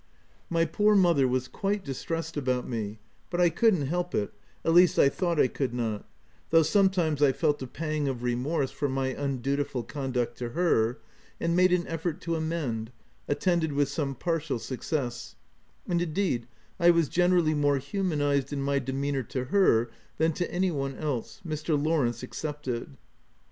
My poor vol . III. I 170 THE TENANT mother was quite distressed about me ; but I couldn't help it — at least I thought I could not ; though sometimes I felt a pang of re morse for my undutiful conduct to her, and made an effort to amend, attended with some partial success — and indeed I was generally more humanized in my demeanour to her than to any one else, Mr. Lawrence excepted.